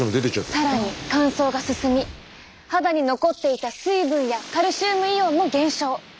更に乾燥が進み肌に残っていた水分やカルシウムイオンも減少。